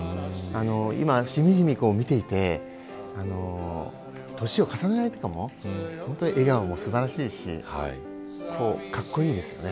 今、しみじみと見ていて年を重ねられてからも笑顔が素晴らしいし格好いいですよね。